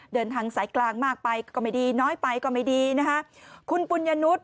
เดินทางสายกลางมากไปก็ไม่ดีน้อยไปก็ไม่ดีนะคะคุณปุญญนุษย